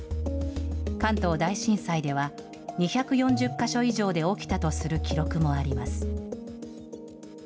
関東大震災では、２４０か所以上で起きたとする記録もあります。